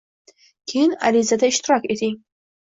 Keyin arizada ishtirok eting!